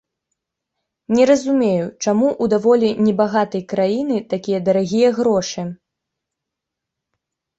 Не разумею, чаму ў даволі небагатай краіны такія дарагія грошы.